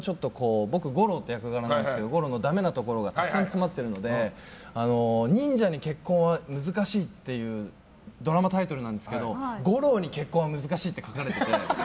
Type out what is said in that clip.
僕、悟朗って役柄なんですけど悟朗のだめなところがたくさん詰まっているので「忍者に結婚は難しい」というドラマタイトルなんですけど「悟朗に結婚は難しい」って書かれてて。